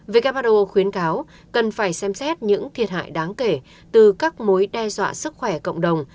who khuyến cáo cần phải xem xét những thiệt hại đáng kể từ các mối đe dọa sức khỏe cộng đồng